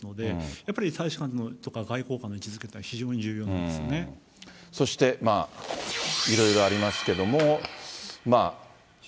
やっぱり大使館とか外交官の位置づけというのは非常に重要なんでそしていろいろありますけれども。